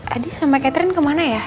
adi sama catherine kemana ya